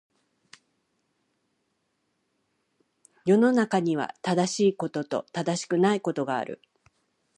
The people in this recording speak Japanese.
世の中には、正しいことと正しくないことがある。